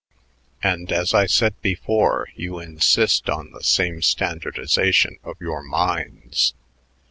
"And, as I said before, you insist on the same standardization of your minds.